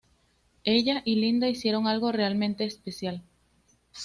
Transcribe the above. Ella y Linda hicieron algo realmente especial.